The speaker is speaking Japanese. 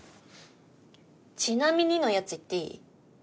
「ちなみに」のやつ言っていい？